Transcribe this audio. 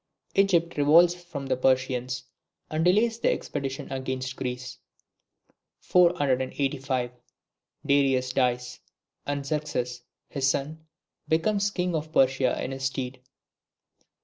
Egypt revolts from the Persians, and delays the expedition against Greece. 485. Darius dies, and Xerxes his son becomes King of Persia in his stead.